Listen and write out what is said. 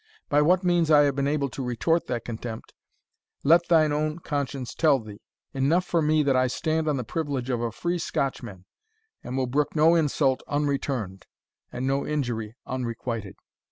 By what means I have been able to retort that contempt, let thine own conscience tell thee. Enough for me that I stand on the privilege of a free Scotchman, and will brook no insult unreturned, and no injury unrequited."